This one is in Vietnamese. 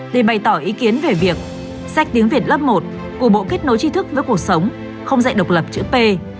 để bày tỏ ý kiến về việc sách tiếng việt lớp một của bộ kết nối chi thức với cuộc sống không dạy độc lập chữ p